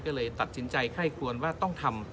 ก็เลยตัดสินใจไคร่ควรว่าต้องทำ